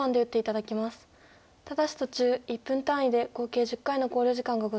ただし途中１分単位で合計１０回の考慮時間がございます。